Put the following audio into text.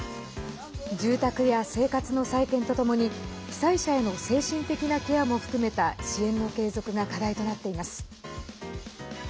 住宅や生活の再建とともに被災者への精神的なケアも含めた支援の継続が課題となっています。